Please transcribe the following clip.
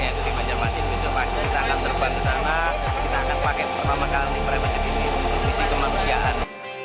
jadi banjir masing masing kita akan terbang ke sana kita akan pakai pertama kali pribadi ini misi kemanusiaan